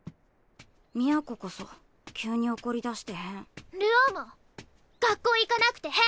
都こそ急に怒りだして変流鶯も学校行かなくて変！